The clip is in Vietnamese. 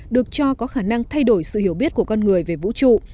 được cho có khả năng thay đổi sự hiểu biết của con người về vũ trụ